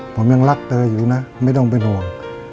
ผมยังรักเธออยู่นะไม่ต้องเป็นห่วง